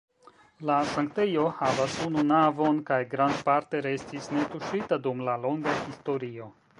La sanktejo havas unu navon kaj grandparte restis netuŝita dum la longa historio.